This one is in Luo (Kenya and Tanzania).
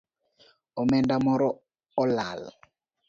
Omenda moro olal